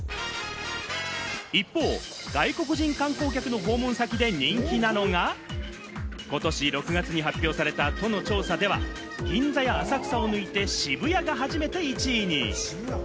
一方、外国人観光客の訪問先で人気なのが、ことし６月に発表された都の調査では、銀座や浅草を抜いて、渋谷が初めて１位に。